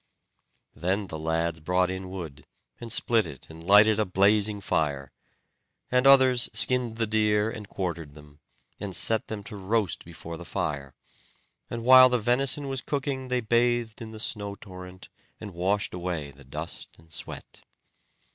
Then the lads brought in wood, and split it, and lighted a blazing fire; and others skinned the deer and quartered them, and set them to roast before the fire; and while the venison was cooking they bathed in the snow torrent, and washed away the dust and sweat.